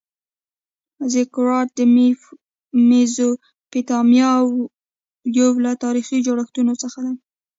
زیګورات د میزوپتامیا یو له تاریخي جوړښتونو څخه دی.